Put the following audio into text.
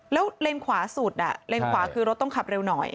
แล้วเลนขวาสุดเลนขวาคือรถต้องขับเร็วหน่อย